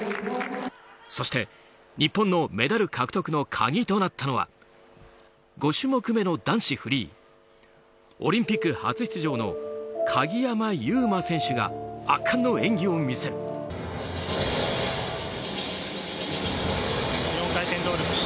そして、日本のメダル獲得の鍵となったのは５種目めの男子フリーオリンピック初出場の鍵山優真選手が圧巻の演技を見せる。